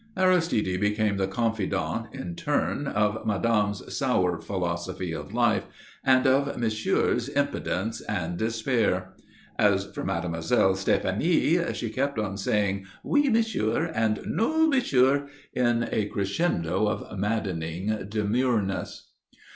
Aristide became the confidant, in turn, of Madame's sour philosophy of life and of Monsieur's impotence and despair. As for Mademoiselle Stéphanie, she kept on saying "Oui, Monsieur" and "Non, Monsieur," in a crescendo of maddening demureness.